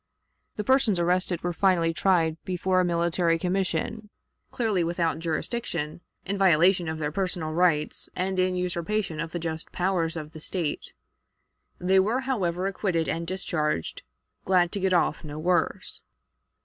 The persons arrested were finally tried before a military commission, clearly without jurisdiction, in violation of their personal rights, and in usurpation of the just powers of the State. They were, however, acquitted and discharged, glad to get off no worse.